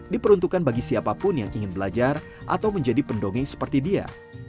diperuntukkan bagi siapapun yang ingin belajar atau menjadi pendongeng seperti dia